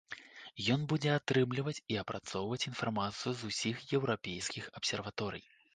Ён будзе атрымліваць і апрацоўваць інфармацыю з усіх еўрапейскіх абсерваторый.